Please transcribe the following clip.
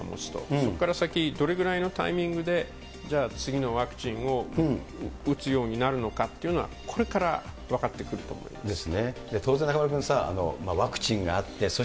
そこから先、どれぐらいのタイミングでじゃあ、次のワクチンを打つようになるのかというのは、これから分かってくると思います。